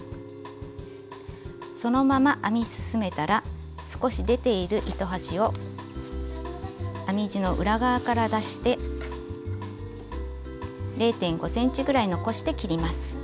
そのまま編み進めたら少し出ている糸端を編み地の裏側から出して０．５ｃｍぐらい残して切ります。